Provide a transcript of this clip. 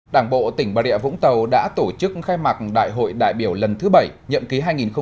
đảng bộ tỉnh bà rịa vũng tàu đã tổ chức khai mạc đại hội đại biểu lần thứ bảy nhậm ký hai nghìn hai mươi hai nghìn hai mươi năm